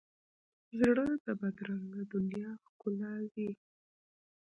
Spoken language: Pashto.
زړه د بدرنګه دنیا ښکلاوي.